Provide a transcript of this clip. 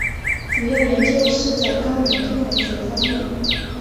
主要研究是在高能天文学方面。